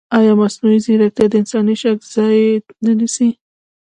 ایا مصنوعي ځیرکتیا د انساني شک ځای نه نیسي؟